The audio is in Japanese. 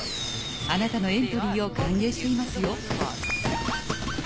あなたのエントリーを歓迎していますよ。